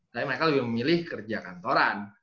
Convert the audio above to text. tapi mereka lebih memilih kerja kantoran